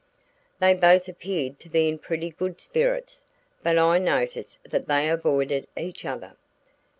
"They both appeared to be in pretty good spirits, but I noticed that they avoided each other."